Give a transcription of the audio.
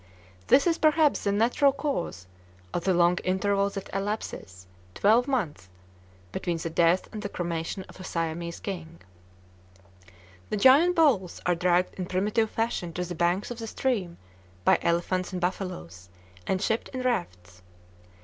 This is perhaps the natural cause of the long interval that elapses twelve months between the death and the cremation of a Siamese king. The "giant boles" are dragged in primitive fashion to the banks of the stream by elephants and buffaloes, and shipped in rafts.